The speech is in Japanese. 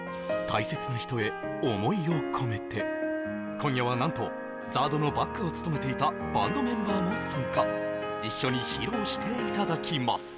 今夜は何とＺＡＲＤのバックを務めていたバンドメンバーも参加一緒に披露していただきます